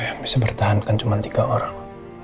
yang bisa bertahan kan cuma tiga orang